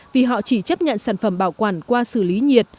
vì họ chỉ chấp nhận sản phẩm bảo quản qua xử lý nhiệt